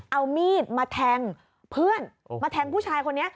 เอามีดมาแทงเพื่อนมาแทงผู้ชายคนนี้